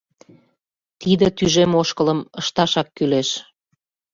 Тиде тӱжем ошкылым ышташак кӱлеш.